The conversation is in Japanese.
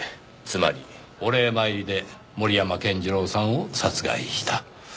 お礼参りで森山健次郎さんを殺害した。